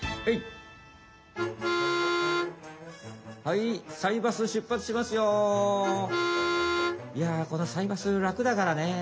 「いやこのサイバスらくだからね。